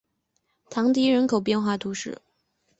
唐迪人口变化图示